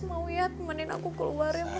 mau ya temenin aku keluar ya mas ya